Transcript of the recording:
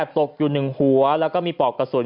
ตกอยู่๑หัวแล้วก็มีปอกกระสุน